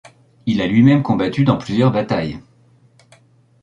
Il a lui-même combattu dans plusieurs batailles.